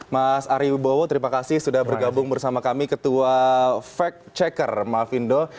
mas ari wibowo terima kasih sudah bergabung bersama kami ketua fact checker malvindo